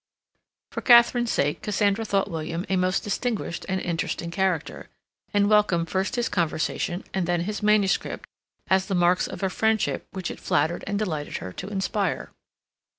For Katharine's sake Cassandra thought William a most distinguished and interesting character, and welcomed first his conversation and then his manuscript as the marks of a friendship which it flattered and delighted her to inspire.